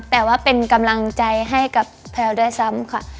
แต่ว่าเป็นกำลังใจให้กับแพลวด้วยซ้ำค่ะ